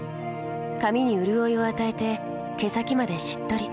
髪にうるおいを与えて毛先までしっとり。